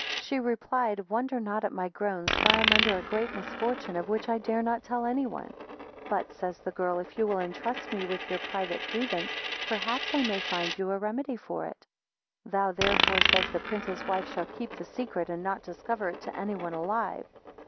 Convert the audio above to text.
21 She replied, wonder not at my groans, for I am under a great misfortune, of which I dare not tell any one. 22 But, says the, girl, if you will entrust me with your private grievance, perhaps I may find you a remedy for it. 23 Thou, therefore, says the prince's wife, shall keep the secret, and not discover it to any one alive.